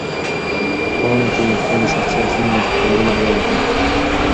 تاسو باید په ویبپاڼو کې د خپلو شخصي عکسونو له خپرولو ډډه وکړئ.